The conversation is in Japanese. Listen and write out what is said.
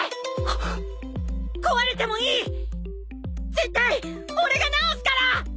絶対俺が直すから！！